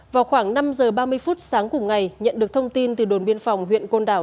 vào khoảng năm giờ ba mươi phút sáng cùng ngày nhận được thông tin từ đồn biên phòng huyện côn đảo